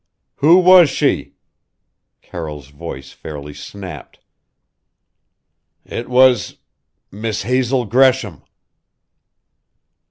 "Who was she?" Carroll's voice fairly snapped. "It was Miss Hazel Gresham!"